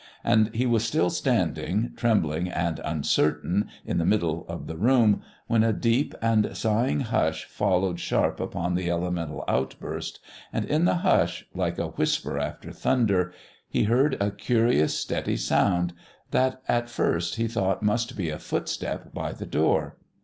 And he was still standing, trembling and uncertain, in the middle of the room, when a deep and sighing hush followed sharp upon the elemental outburst, and in the hush, like a whisper after thunder, he heard a curious steady sound that, at first, he thought must be a footstep by the door.